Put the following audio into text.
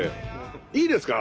いいですか？